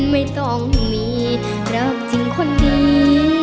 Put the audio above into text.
ไม่ต้องมีรักจริงคนดี